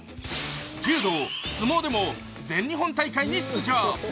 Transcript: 柔道、相撲でも全日本大会に出場。